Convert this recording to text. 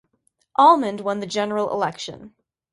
Almond won the general election.